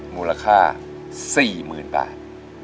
มูลค่า๔๐๐๐บาท